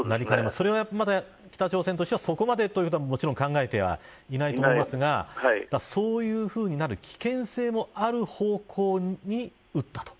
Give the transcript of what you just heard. それは北朝鮮としてはそこまでというのは考えてはいないと思いますがそういうふうになる危険性もある方向に撃ったと。